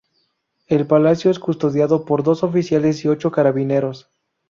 El Palacio es custodiado por dos oficiales y ocho carabineros.